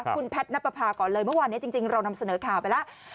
คุณแพทย์นับประพาก่อนเลยเมื่อวานนี้จริงเรานำเสนอข่าวไปแล้ว